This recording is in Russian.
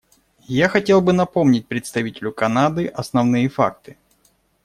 Я хотел бы напомнить представителю Канады основные факты.